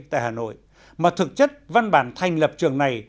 tại hà nội mà thực chất văn bản thành lập trường này